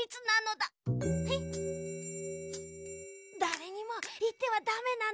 だれにもいってはダメなのだ。